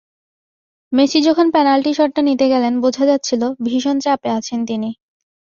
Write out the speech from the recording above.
Messi যখন penalty শটটা নিতে গেলেন, বোঝা যাচ্ছিল, ভীষণ চাপে আছেন তিনি।